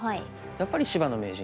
やっぱり芝野名人。